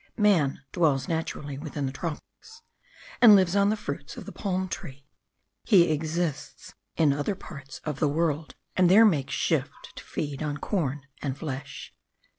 Man DWELLS NATURALLY within the tropics, and lives on the fruits of the palm tree; he EXISTS in other parts of the world, and there makes shift to feed on corn and flesh.